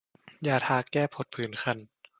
ยาทาแก้ผดผื่นคัน